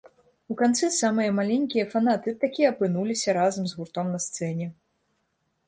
У канцы самыя маленькія фанаты такі апынуліся разам з гуртом на сцэне.